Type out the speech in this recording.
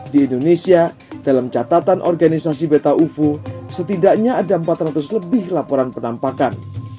di indonesia dalam catatan organisasi beta ufu setidaknya ada empat ratus lebih laporan penampakan